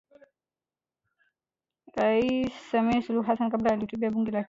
Rais Samia Suluhu Hassan kabla alihutubia Bunge la Kenya